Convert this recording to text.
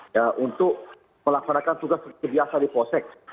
ya untuk melaksanakan tugas seperti biasa di posek